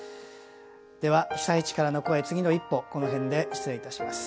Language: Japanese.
では「被災地からの声つぎの一歩」この辺で失礼いたします。